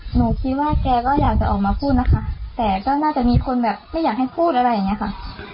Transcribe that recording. หนูคิดว่าแกก็อยากจะออกมาพูดนะคะแต่ก็น่าจะมีคนแบบไม่อยากให้พูดอะไรอย่างเงี้ยค่ะ